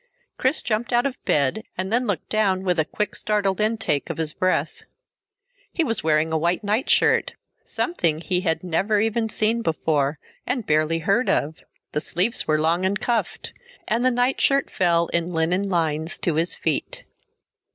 Chris jumped out of bed and then looked down with a quick startled intake of his breath. He was wearing a white nightshirt, something he had never even seen before and barely heard of. The sleeves were long and cuffed, and the nightshirt fell in linen lines to his feet.